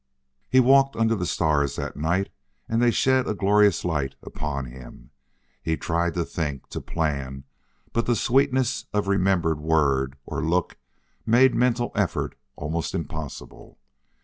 He walked under the stars that night and they shed a glorious light upon him. He tried to think, to plan, but the sweetness of remembered word or look made mental effort almost impossible.